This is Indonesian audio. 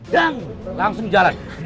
dan langsung jalan